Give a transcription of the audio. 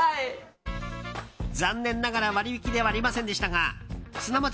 残念ながら割引ではありませんでしたが砂町